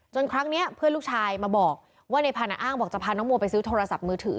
ครั้งนี้เพื่อนลูกชายมาบอกว่าในพันธุ์อ้างบอกจะพาน้องมัวไปซื้อโทรศัพท์มือถือ